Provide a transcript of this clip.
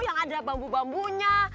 yang ada bambu bambunya